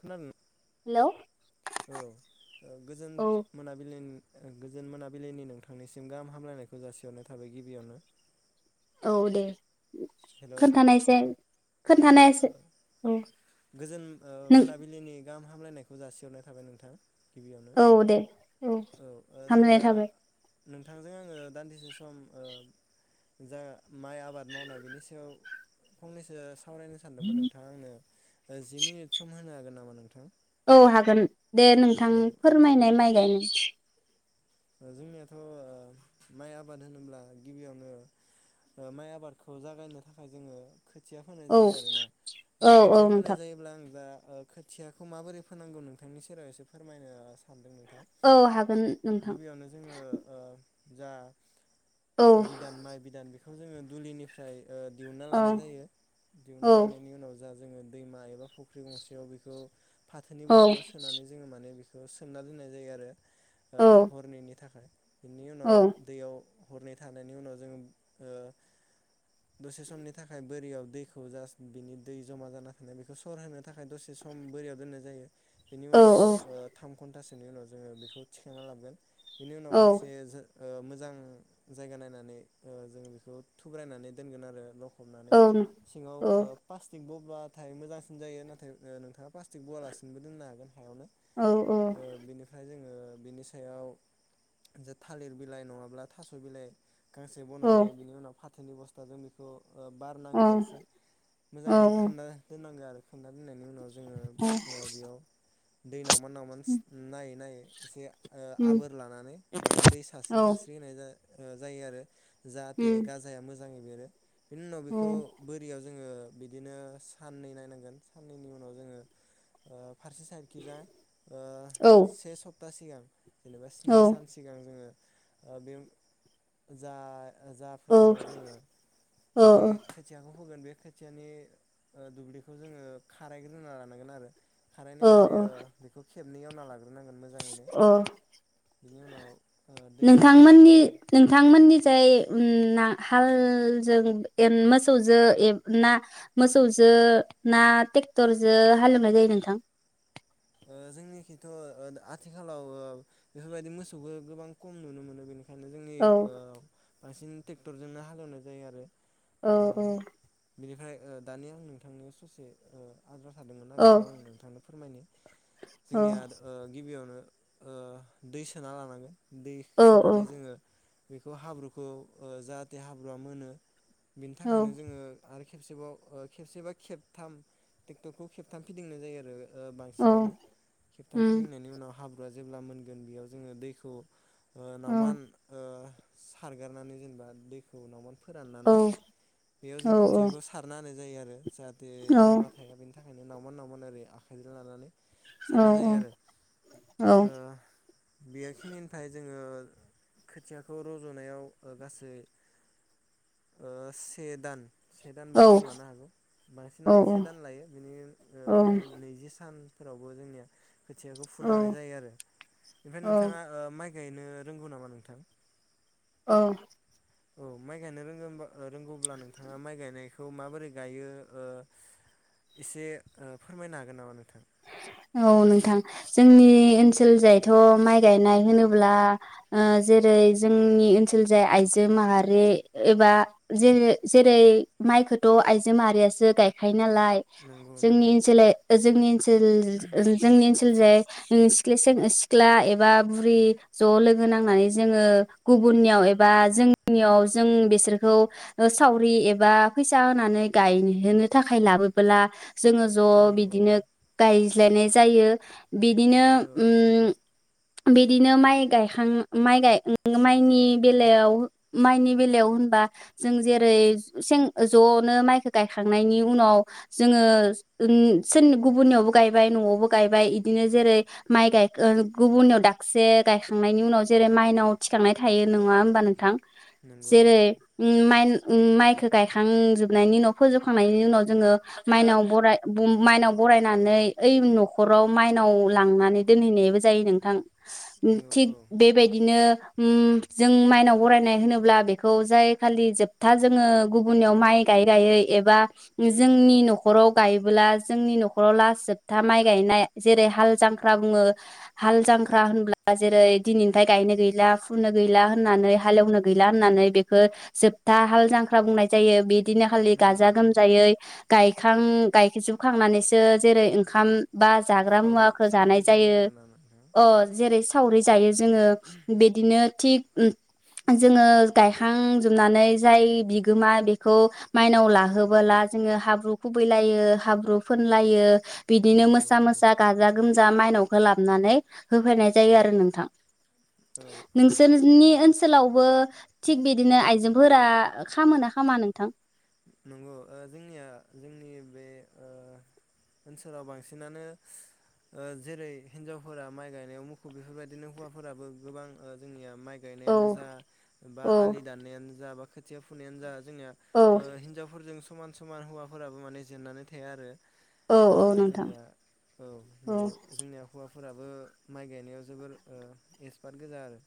खोनादों। हेल'। औ गोजोन मोनाबिलिनि गोजोन मोनाबिलिनि नोंथांनिसिम गाहाम हामलायनायखौ जासिहरनाय थाबाय गिबियावनो। औ दे। हेल' औ खोन्थानायसाय। ओ खोन्थानाय एसो औ गोजोन ओ नों मोनाबिलिनि गाहाम हामलायनायखौ जासिहरनाय थाबाय नोंथाङा। [inaudible] औ दे औ ओ जों हामलायनाय दा थाबाय। नोंथांजों आङो दान्दिसे सम जा माइ आबाद मावनाय बेनि सायाव फंनैसो। [inaudible] सावरायनो सानदोंमोन नोंथाङा आंनो [inaudible] जि मिनिट सम होनो हागोन नामा नोंथां। [inaudible] औ हागोन। दे नोंथां औ फोरमायनाय माइ गाय जोंनियाथ' माइ आबाद होनोब्ला गिबियावनो माइ आबादखौ जागायनो थाखाय जोङो। [inaudible] खोथिया फोनाय औ जायो आरोना औ औ खोथिया फोनाय नोंथां जायोब्ला आं दा [inaudible] खोथियाखौ माबोरै फोनांगौ नोंथांनि सेराव एसे फोरमायनो सानदों नोंथां। [inaudible] औ हागोन। नोंथां गिबियावनो जोङो ओ [inaudible] जा औ [inaudible] बिदान माइ बिदान बि [inaudible] बेखौ जोङो दुलिनिफ्राय ओ दिहुनना औ लानाय जायो दिहुनना औ लानायनि उनाव जा [inaudible] जोङो दैमा एबा फुख्रि गंसेयाव बेखौ फाथोनि औ बस्थायाव सोनानै जोङो माने बे खौ सोमना दोननाय जायो आरो। [inaudible] ओ औ हरनैनि थाखाय [inaudible] बेनि औ उनाव दैयाव [inaudible] हरनै थानायनि उनाव जोङो ओ दसे समनि थाखाय बोरियाव दैखौ जास्ट बिनि दै जमा जाना थानाय बेखौ सर होनो थाखाय दसे सम बोरियाव दोननाय जायो। [inaudible] बेनि औ उनाव ओ थाम घन्टासो [inaudible] बिनि उनाव जोङो बेखौ [inaudible] थिखांना लाबगोन [inaudible] बेनि उनाव औ मोनसे जो [inaudible] ओ मोजां जायगा नायनानै ओ जों बेखौ थुग्रायनानै दोनगोन आरो ल खबनानै सिंआव औ ओ प्लाष बब [inaudible] अब्लाथाय मोजांसिन जायो नाथाय ओ नोंथाङा प्लास्टिक बयालासिनोबो दोननो हागोन। औ [inaudible] ओ बेनिफ्राय [inaudible] जोङो [inaudible] बिनि सायाव जे थालिर बिलाइ नङाब्ला थास' बिलाइ गांसे बनानै बिनि उनाव फाथो थोनि बस्थाजों बेखौ बार नाङैजासे औ मोजाङै खोबना दोननांगो आरो। खोबना दोननाय। बेनि उनाव जोङो ओ बेयाव दै नाव [unintelligible] नायै नायै एसे ओ उम आबोर लानानै माने दै औ सारस्रि सारस्रि होनाय जा ओ जायो आरो। जाहाथे उम गाजाया मोजां जाङै बेरो। बेनि उनाव बेखौ औ बोरियाव जोङो बिदिनो साननै नायनांगोन साननैनि उनाव जोङो ओ फारसे साइडखिजा ओ औ से सप था सिगां जेनेबा औ स्नि सान औ सिगां जोङो ओ बेम जा जा फोथाराव जोङो औ बे खोथियाखौ होगोन बे खोथियानि ओ दुब्लिखौ जोङो खारायग्रोना लानांगोन आरो। औ खारनाय माने औ ओ बेखौ खेबनै एवना लाग्रोनांगोन मोजां अ ओ दै सोनानै नोंथांमोननि जोङो नोंथांमोननि जाय उम ना हालजों एन मोसौजो एब ना मोसौजो ना ट्रेक्टरजों हालेवनाय जायो नोंथां? ओ जोंनिखिथ' ओ आथिखालाव ओ बेफोरबायदि मोसौखौ गोबां खम नुनो मोनो बेनिखा खायनो जोंनि औ ओ बांसिन‌ ट्रेक्टरजोंनो हालेवनाय जायो आरो। औ ओ बिनिफाय ओ दानिया आं नोंथांनि ससे ओ आद्रा थादोंमोनना औ बेखौ आं नोंथांनो फोरमायनि। औ जोंनिया ओ गिबियावनो ओ दै सोना लानांगोन। दै औ सोनानै जोङो बेखौ हाब्रुखौ ओ जाहाथे हाब्रुआ मोनो। बिनि औ थाखायनो जोङो आरो खेबसेबाव खेबसेबा खेबथाम ट्रेक्टरखौ खेबथाम फिदिंनाय जायो आरो ओ औ सिनानो खेबथाम उम फिदिंनायनि उनाव हाब्रुआ जेब्ला मोनगोन बेयाव जोङो दैखौ ओ औ नावमान ओ सारगारनानै जेनेबा दैखौ नम औ फोराननानै बेयाव औ जों खोथियाखौ सारना होनाय जायो आरो। जाहाथे औ जमा थाया बेनि थाखायनो। नावमोन नावमोन ओरै आखाइजों लानानै। औ सारनाय जायो आरो ओ बेखिनिनिफाय जों जोङो खोथियाखौ रज'नायाव ओ गासै ओ से दान से औ दानबो सम लानो हागौ। बांसिनानो से दान लायो बिनि ओ फ्राय नैजि सान फोरावबो जोंनिया खोथियाखौ फुनो औ हानाय जायो आरो ओमफ्राय औ नोंथाङा माइ गायनो रोंगौ नामा नोंथां? औ। औ माइ गायनो रोंगौब्ला नोंथाङा माइ गायनायखौ माबोरै गायो ओ एसे फोरमायनो हागोन नामा नोंथाङा? औ नोंथां। जोंनि ओनसोल जायथ माइ गायनाय होनोब्ला जेरै जोंनि ओनसोल जाय आइजो माहारि एबा जेरै माइखौथ‌ आइजो माहारियासो गायखायो। नालाय नंगौ जोंनि नंगौ ओनसोला जोंनि ओन जोंनि ओनसोल जाय [inaudible] सिख्ला एबा बुरि ज' लोगो नांनानै जोङो गुबुननियाव एबा जोंनियाव जों बिसोरखौ सावरि एबा फैसा होनानै गायहोनो थाखाय लाबोब्ला जोङो औ ज' औ बिदिनो रायज्लायनाय जायो। बिदिनो औ उम बिदिनो माइ गायखां माइ माइनि बेलायाव माइनि बेलायाव होनबा जों जेरै सें ज'नो माइखौ गायखांनायनि उनाव जोङो गुबुननियाव गायबाय न'आवबो गायबाय। बिदिनो जेरै माइ गाय गुबुननियाव दाबसे गायखांनायनि उनाव जेरै माइनाव थिखांनाय थायो नङा होमबा नोंथां। नंगौ जेरै नंगौ माइ उम माइखौ गायखांजोबनायनि उनाव फोजोबखांनायनि उनाव जोङो जोङो माइनाव बराय माइनाव बराय नानै ओइ नखराव माइनाव लांनानै दोनहैनायबो जायो नोंथां। औ थिक औ बेबायदिनो उम जों माइनाव बरायनाय होनोब्ला बेखौ जाय खालि जोबथा जोङो गुबुननियाव माइ गायै गायै एबा जोंनि न'खराव गायोबोला जोंनि न'खर न'खराव लास जोबथा माइ गायनाय जेरै हाल जांख्रा बुङो हाल जांख्रा होनब्ला जेरै दिनैनिफ्राय गायनो गैला फुनो गैला होननानै हालेवनो गैला होननानै बेखौ जोबथा हाल जांख्रा बुंनाय जायो। बे दिनखालि नंगौ गाजा नंगौ गोमजायै गायखां गायखां जोबखांनानै सो जेरै ओंखाम बा जाग्रा सावरि मुवााख जानाय सावरि जायो आरोना नोंथां अ जेरै सावरि जायो नंगौ जोङो बिदिनो थिग जोङो गायखांजोबनानै जाय बिगोमा बेखौ माइनाव लाहोबोला जोङो हाब्रु खुबैलायो हाब्रु फोनलायो बिदिनो नंगौ मोसा नंगौ मोसा गाजा गोमजा मायनावखौ लाबोनानै होफैनाय जायो आरो नोंथां औ औ नोंसोरनि ओनसो लावबो थिग बिदिनो आइजोफोरा खालामोना खालामा नोंथां नंगौ ओ जोंनिया जोंनि बे ओ ओनसोलाव बांसिनानो ओ जेरै हिनजावफोरा माइ गायनायाव मुखुब बेफोरबायदिनो हौवाफोराबो गोबां ओ जोंनिया माइ औ गायनायानो जा बा औ आलि दाननायानो जा बा खोथिया फुनायानो जा जोंनिया औ ओ हि नजावफोरजों समान समान हौवाफोराबो माने जेननानै थाया आरो औ ओ औ नोंथां जोंनिया औ नंगौ जोंनिया हौवा फोराबो माइ गायनायाव जोबोर ओ एक्सपार्ट गोजा आरो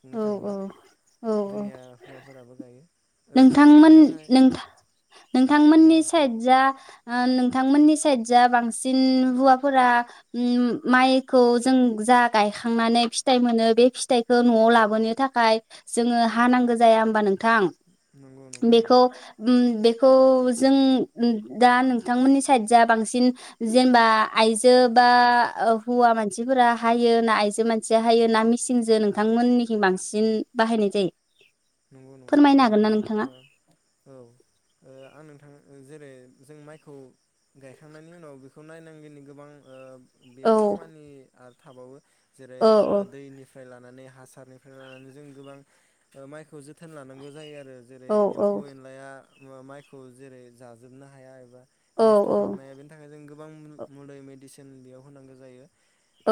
बुंनो औ थाङोब्ला औ औ औ जोंनिया हौवाफोराबो गायो ओम नोंथांमोन बेनिफ्राय नों दे नोंथांमोननि नोंथां साइद जा ओ नोंथांमोननि साइद जा बांसिन हुवाफोरा माइखौ जों जा गायखांनानै फिथाइ मोनो बे फिथाइखौ न'आव लाबोनो थाखाय जों हानांगौ जाया होनबा नों थां नंगौ नंगौ बेखौ नंगौ उम बे खौ जों दा नोंथांमोननि साइड जा बांसिन जेनेबा आइजो बा हौवा मानसिफोरा हायो ना आइजो मानसिया हायो ना मिसिनजों नोंथांमोननिसि बांसिन बाहायनाय जायो नंगौ नंगौ ओ फोरमायनो हागोन ना नोंथां नोंथाङा? ओ औ ओ आं नोंथां जेरै जों माइखौ गायखांनायनि उनाव बेखौ नायनांगौनि गोबां ओ औ बेयाव खामानि आरो थाबावो जेरै औ ओ दैनिफ्राय ला माने हासारनिखौ जों गोबां ओ माय थोजोब जोथोन लानांगौ जायो आरो जेरै औ एम्फौ औ एनलाया माइखौ जेरै जाजोबनो हाया एबा औ नस्थ' खालामनाया बेनि थाखाय जों गो बां औ मुलै मेडिसिन बेयाव होनांगौ जायो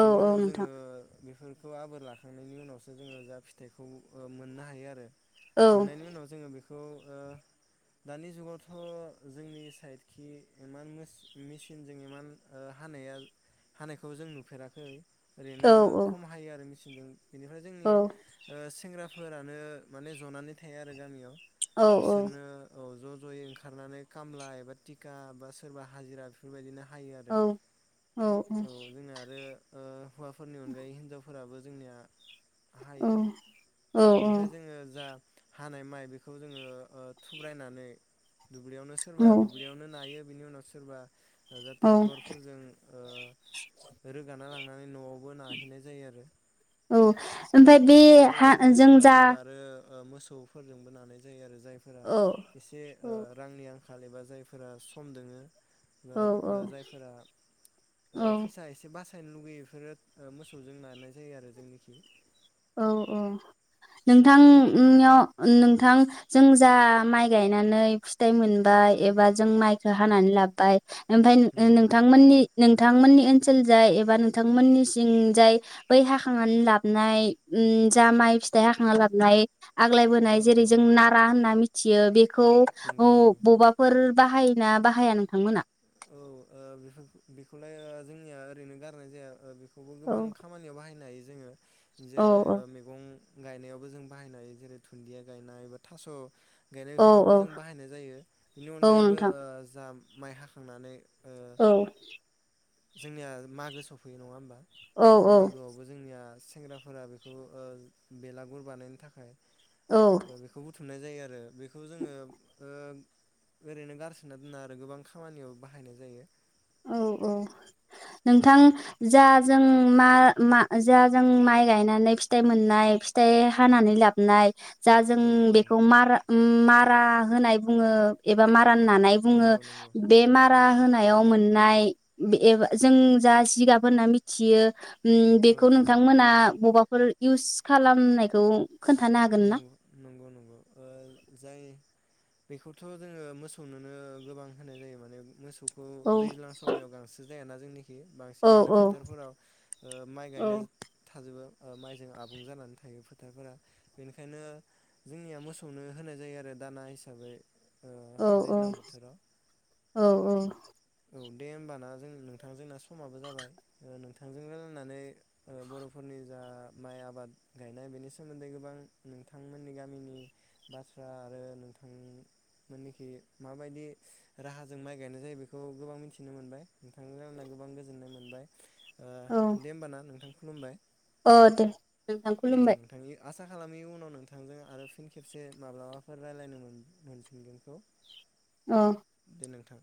औ बेनि उनाव नोंथां जोङो बेफोर खौ आबोर लाखांनायनि उनावसो जोङो जा ओ फिथाइखौ मोननो हायो आरो। औ मोननायनि उनाव जोङो बेख खौ ओ दानि जुगावथ' जोंनि साइडखि इमान मोस मिसिनजों इमान ओ हानाया हानायखौ जों नुफेराखै। ओरैनो औ खम हायो आरो मिसे जों बेनिफ्राय औ जोंनि ओ सेंग्रा फोरानो माने ज'नानै थाया आरो गामियाव। औ बिसोरनो औ ज' जयै ओंखारनानै कामला एबा टिका बा सोरबा हाजिरा बेफोरबायदिनो हायो आरो औ औ जोंना आरो ओ हुवाफोरनि अनगायै हिनजावफोराबो जोंनिया औ औ औ। हो जा हानाय माइ बेखौ जोङो ओ थुब्रायनानै दुब्लियावनो सोरबा दुब्लियावनो नायो। बिनि उनाव सोरबा ओ जा औ टेक्टरफोरजों ओ रोगाना लांनानै न'आवबो नाहैनाय जायो आरो। औ ओमफाय बे थिग हा बेबायदिनो जों सोरबा जा सोरबा आरो ओ मोसौफोरजोंबो नानाय जायो आरो। जायफोरा औ एसे औ रांनि ओ आं खाल एबा जायफोरा सम दोङो। ओ औ ओ जायफोरा ओ औ फैसा एसे बासा सायनो लुगैयो इफोरो ओ मोसौजों नानाय जायो आरो जोंनिखि। औ औ नोंथांनियाव नोंथां जों जा माइ गायनानै फिथाइ मोनबाय एबा जों माइखो हानानै लाब्बाय ओमफाय ओ नंगौ नंगौ नोंथांमोननि नों थांमोननि ओनसोल जाय एबा नोंथांमोननि सिंजाय बै हाखांनानै लाबनाय उम जा माइ फिथाइ हाखांना लाबनाय आग्लाय औ बोनाय जेरै औ जों नारा होनना मिथि थियो बे खौ नंगौ औ नंगौ बबाफोर बाहायोना बाहाया नोंथांमोना? औ ओ बेफोरखो बेखौलाय ओ जोंनिया ओरैनो गारनाय जाया ओ बे [unintelligible] औ गोबां खामानियाव बाहायनो हायो। जोङो औ जेरै ओ मेगं गायनायावबो जों बाहायनाय जेरै दुन्दिया गायनाय बा थास' औ गायनायफोरावबो औ जों बाहायनाय जायो बेनि औ अनगायैबो नोंथां ओ जाम माइ हाख खांनानै औ जोंनिया मागो सफैयो नङा होमबा। औ मागोआवबो जोंनिया सिख सेंग्राफोरा बेखौ ओ बेलागुर बानायनो थाखाय औ ओ बेखौ बुथ थुमनाय जायो आरो बेखौ जोङो ओ ओरैनो गारसोना दोना आरो गोबां खामानियाव बाहायनाय जायो। औ औ नोंथां जा जों मा मा जा जों माइ गायनानै फिथाइ मोननाय फिथाइ हानानै लाबनाय जा जों औ औ बेखौ मार उ मारा होनाय बुङो एबा मा रान नानाय बुङो नंगौ नंगौ बे मारा होना हायाव मोननाय एब जों जा जिगाब होनना मिथियो उम औ बेखौ नोंथांमोना बबा फोर इउस खालामनायखौ खोन्थानो हागोन ना? नंगो नंगौ नंगौ ओ जाय बेखौथ' जोङो मोसौनोनो गोबां होनाय जायो माने मोसौ खौ औ दैजां समायाव गांसो जायाना जोंनि [unintelligible] औ बांसिनानो औ फोथारफोराव ओ माइ औ गायनो थाजोबो ओ माइजों आबुं जानानै थायो थारफोरा बेनिखायनो जोंनिया मोसौनो होनाय जायो आरो दाना हिसाबै। ओ औ औ दैज्लां बोथोराव औ औ औ दे होमबाना जों नोंथां जोंना समाबो जाबाय नोंथांजों रायलायनानै ओ बर'फोरनि जा माइ आबाद गायनाय बेनि सोमोन्दै गोबां नोंथांमोननि गामिनि बाथ्रा आरो नोंथांमोननिखि माबायदि राहाजों माइ गायनाय जायो बेख खौ गोबां मिथिनो मोनबाय नोंथांजों आंना गोबां गोजोननाय मोनबाय। ओ दे होमबा ना नोंथां। खुलुमबाय अ दे नोंथां दे खुलुमबाय नोंथांनि आसा खालामि उनाव नोंथांजों आरो फिन खेबसे माब्लाबाफोर रायलायनो मोन मोनफिनगोनखौ। औ दे नोंथां